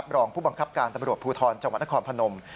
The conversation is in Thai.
รองผู้บังคับการตำรวจภูทรจังหวัดนครพนม